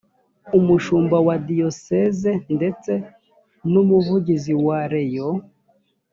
umushumba wa diyoseze ndetse n umuvugizi wa reyo